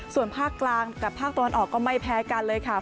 ส่วนภาคกลางกับภาคตะวันออกก็ไม่แพ้กันเลยค่ะ